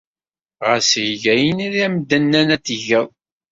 Ɣas eg ayen ay am-d-nnan ad t-tged.